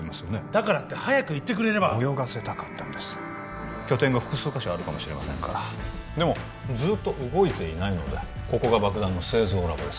だからって早く言ってくれれば泳がせたかったんです拠点が複数箇所あるかもしれませんからでもずーっと動いていないのでここが爆弾の製造ラボです